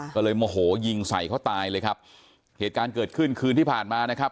ก็เลยโมโหยิงใส่เขาตายเลยครับเหตุการณ์เกิดขึ้นคืนที่ผ่านมานะครับ